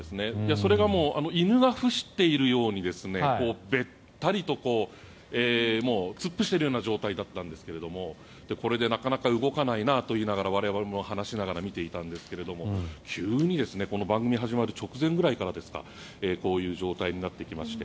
それがもう犬が伏しているようにべったりと突っ伏しているような状態だったんですがこれでなかなか動かないなと言いながら我々も話しながら見ていたんですが急に番組が始まる直前ぐらいからこういう状態になってきまして。